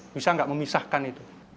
bisa nggak memisahkan itu